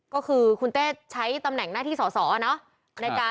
ก็คือคุณเต้ใช้ตำแหน่งหน้าที่สอสอเนาะ